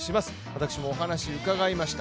私もお話を伺いました。